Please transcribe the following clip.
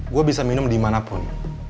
gue bisa minum dimanapun